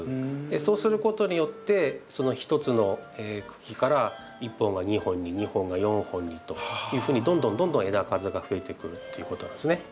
そうすることによって１つの茎から１本が２本に２本が４本にというふうにどんどんどんどん枝数がふえてくっていうことなんですね。